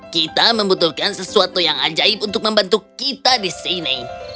kita membutuhkan sesuatu yang ajaib untuk membantu kita di sini